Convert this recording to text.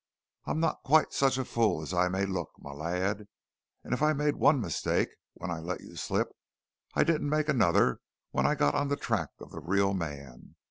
I'm not quite such a fool as I may look, my lad, and if I made one mistake when I let you slip I didn't make another when I got on the track of the real man.